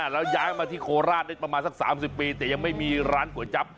แล้วย้ายมาที่โคราชได้ประมาณสัก๓๐ปีแต่ยังไม่มีร้านก๋วยจับ